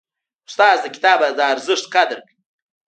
استاد د کتاب د ارزښت قدر کوي.